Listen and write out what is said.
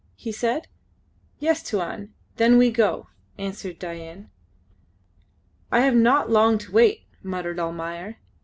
he said. "Yes, Tuan. Then we go," answered Dain. "I have not long to wait," muttered Almayer.